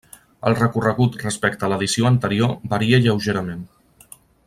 El recorregut respecte a l'edició anterior varia lleugerament.